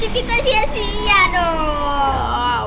kita sia sia dong